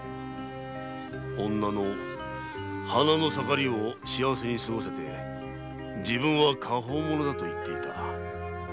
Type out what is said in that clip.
女の花の盛りを幸せに過ごせて自分は果報者だと言っていた。